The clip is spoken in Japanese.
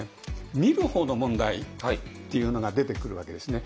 見るほうの問題っていうのが出てくるわけですね。